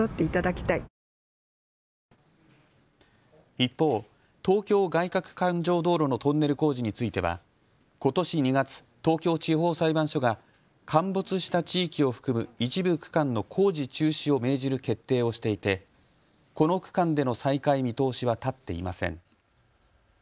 一方、東京外かく環状道路のトンネル工事についてはことし２月、東京地方裁判所が陥没した地域を含む一部区間の工事中止を命じる決定をしていてこの区間での再開見通しは立っていません。